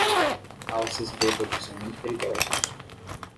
Alces bêbados são muito perigosos.